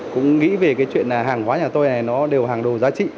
cũng nghĩ về chuyện hàng hóa nhà tôi này nó đều hàng đồ giá trị